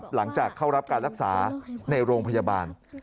หลังจากเข้ารับการรักษาในโรงพยาบาล